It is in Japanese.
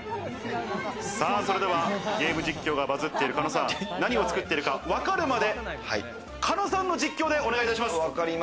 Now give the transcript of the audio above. それではゲーム実況がバズっている狩野さん。何を作ってるか、わかるまで、狩野さんの実況でお願いいたします。